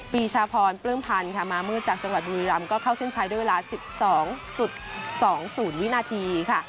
ปีชาพรปลื้มพันธ์ค่ะมามืดจากจังหวัดบุรีรำก็เข้าเส้นชัยด้วยเวลา๑๒๒๐วินาทีค่ะ